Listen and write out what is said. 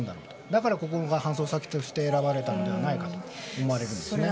だから、ここが搬送先として選ばれたのではないかと思われますね。